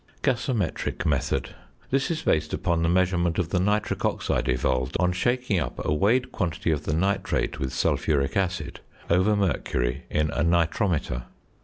GASOMETRIC METHOD. This is based upon the measurement of the nitric oxide evolved on shaking up a weighed quantity of the nitrate with sulphuric acid over mercury in a nitrometer.